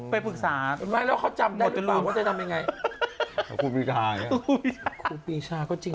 ไปปรึกษาแล้วเขาจำหมดหรือเปล่าว่าจะทำยังไงคุณพิชาก็จริง